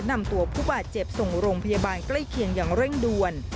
นำตัวผู้บาดเจ็บส่งโรงพยาบาลใกล้เคียงอย่างเร่งด่วน